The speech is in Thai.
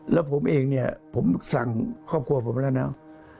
แล้วผมเองเนี่ยผมสั่งครอบครัวผมแล้วนะ